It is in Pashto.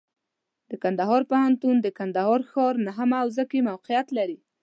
د کندهار پوهنتون د کندهار ښار نهمه حوزه کې موقعیت لري.